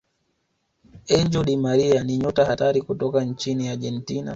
angel Di Maria ni nyota hatari kutoka nchini argentina